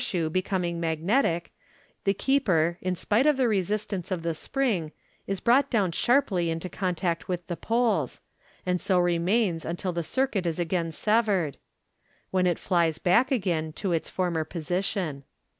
shoe becoming magnetic, the keeper, in spite of the resistance of the spring, is brought down sharply into contact with the poles, and so remains until the circuit is again severed, when it flies back again to its former position.